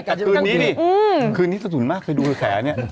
คืนนี้นี่คืนนี้สะถุนมากเคยดูแขวนี้